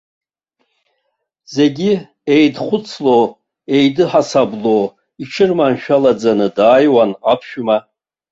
Зегьы еидхәыцло, еидыҳасабло, иҽырманшәалаӡаны дааиуан аԥшәма.